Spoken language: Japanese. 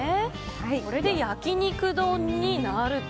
これで焼き肉丼になると。